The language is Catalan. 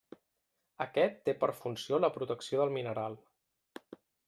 Aquest té per funció la protecció del mineral.